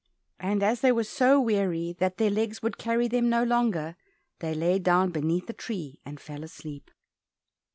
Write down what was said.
And as they were so weary that their legs would carry them no longer, they lay down beneath a tree and fell asleep.